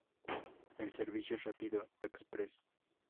El servicio es rápido, express.